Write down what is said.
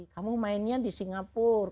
kamu mainnya di singapura